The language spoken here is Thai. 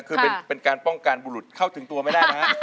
คือเป็นการป้องกันบุรุษเข้าถึงตัวไม่ได้นะฮะ